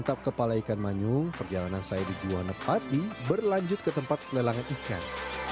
menyantap kepala ikan manyu perjalanan saya di juhana pati berlanjut ke tempat pelelangan ikan